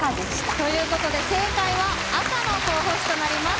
ということで正解は赤の候補手となります。